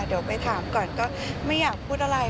เดี๋ยวไปถามก่อนก็ไม่อยากพูดอะไร